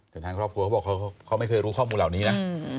แต่ทางครอบครัวเขาบอกเขาไม่เคยรู้ข้อมูลเหล่านี้นะ